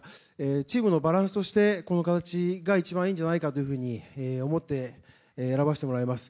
チームのバランスとして、この形が一番いいんじゃないかというふうに思って、選ばしてもらいました。